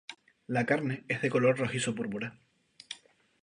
La carne es de color rojizo-púrpura.